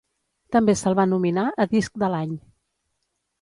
També se'l va nominar a Disc de l'Any.